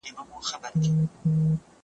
زه له سهاره موبایل کاروم!؟